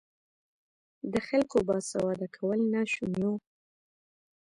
د خلکو باسواده کول ناشوني وو.